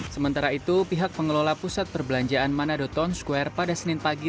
sementara itu pihak pengelola pusat perbelanjaan manado town square pada senin pagi